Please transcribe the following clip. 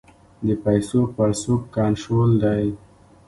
د پیسو پړسوب کنټرول دی؟